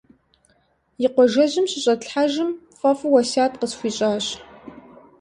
И къуажэжьым щыщӏэтлъхьэжым фӏэфӏу уэсят къысхуищӏащ.